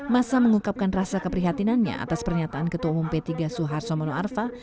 masa mengungkapkan rasa keprihatinannya atas pernyataan ketua umum p tiga suharto mono arfa